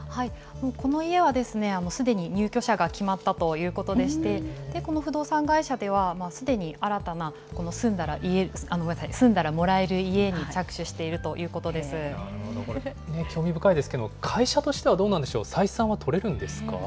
この家は、すでに入居者が決まったということでして、この不動産会社では、すでに新たな住んだらもらえる家に着手してい興味深いですけれども、会社としてはどうなんでしょう、採算は取れるんですか？